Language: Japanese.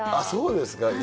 そうですか。